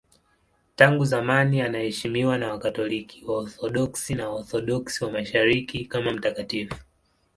Tangu zamani anaheshimiwa na Wakatoliki, Waorthodoksi na Waorthodoksi wa Mashariki kama mtakatifu.